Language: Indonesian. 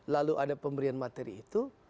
lalu ada pemberian materi itu